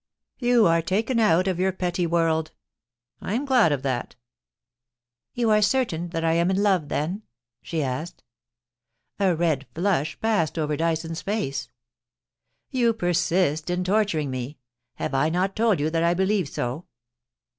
You are taken out of your petty world ... I am glad of that' * You are certain that I am in love, then ?' she asked A red flush passed over Dyson's face. ' You persist in torturing me ... Have I not told you that I believe so